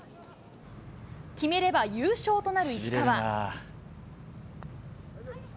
決めれば優勝となる石川。